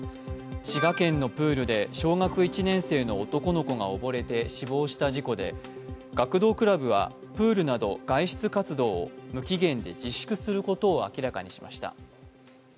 滋賀県のプールで小学１年生の男の子が溺れて死亡した事故で学童クラブはプールなど外出活動を無期限で自粛することを明らかにしました。